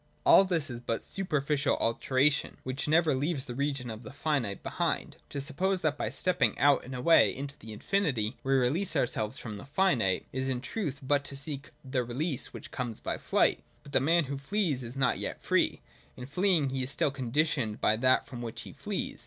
All this is but super i ficial alternation, which never leaves the region of the finite behind. To suppose that by stepping out and away into that infinity we release ourselves from the finite, is in truth but to seek the release which comes by flight. But the man who flees is not yet free : in fleeing he is still conditioned by that from which he flees.